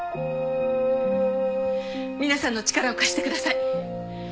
皆さんの力を貸してください。